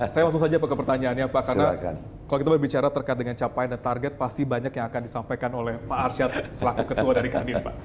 saya langsung saja ke pertanyaannya pak karena kalau kita berbicara terkait dengan capaian dan target pasti banyak yang akan disampaikan oleh pak arsyad selaku ketua dari kadin pak